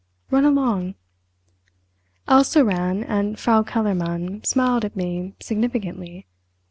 Run along!" Elsa ran, and Frau Kellermann smiled at me significantly.